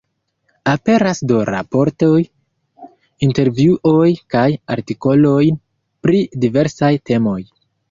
Aperas do raportoj, intervjuoj kaj artikoloj pri diversaj temoj.